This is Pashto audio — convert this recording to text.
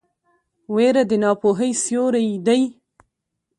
ویره د ناپوهۍ سیوری دی.